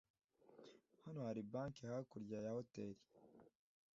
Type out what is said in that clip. Hano hari banki hakurya ya hoteri.